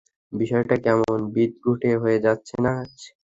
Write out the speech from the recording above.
বিষয়টা কেমন বিদঘুটে হয়ে যাচ্ছে নায?